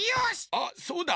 あっそうだ。